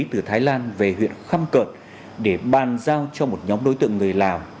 từ thái lan về huyện khâm cợt để bàn giao cho một nhóm đối tượng người lào